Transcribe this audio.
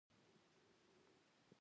هغه غوښتل له مورګان سره کاروبار پیل کړي